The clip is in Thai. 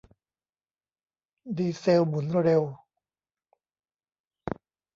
ดีเซลหมุนเร็ว